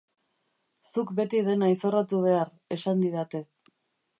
Zuk beti dena izorratu behar, esan didate.